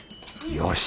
よし！